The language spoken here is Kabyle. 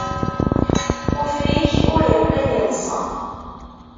Ufrik ur iqqin, iḍsa.